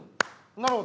なるほど。